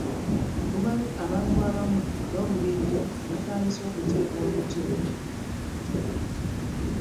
Tumanyi abantu abamu n'obubinja abatandise okuteeka okutya mu Bannayuganda